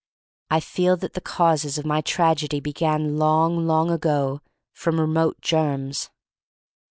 I feel that the causes of my tragedy began long, long ago from remote germs.